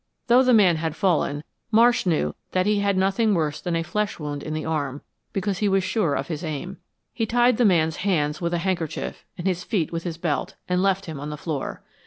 Though the man had fallen, Marsh knew that he had nothing worse than a flesh wound in the arm, because he was sure of his aim. He tied the man's hand with a handkerchief, and his feet with his belt, and left him on the floor.